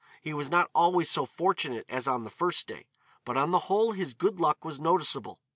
He was not always so fortunate as on the first day, but on the whole his good luck was noticeable.